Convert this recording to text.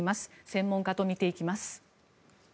専門家と見ていきます。